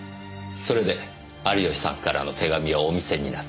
それで有吉さんからの手紙をお見せになった。